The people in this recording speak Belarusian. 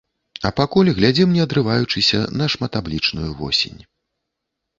А пакуль глядзім не адрываючыся на шматаблічную восень.